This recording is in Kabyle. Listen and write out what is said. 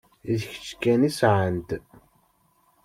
D kečč kan i sɛant.